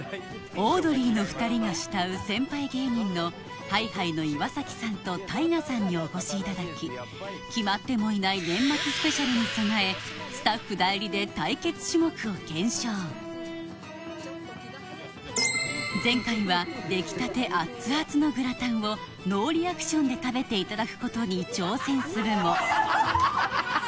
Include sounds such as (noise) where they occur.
オードリーの２人が慕う先輩芸人の Ｈｉ−Ｈｉ の岩崎さんと ＴＡＩＧＡ さんにお越しいただき決まってもいない年末スペシャルに備えスタッフ代理で対決種目を検証前回はできたて熱々のグラタンをノーリアクションで食べていただくことに挑戦するもハハハ (laughs)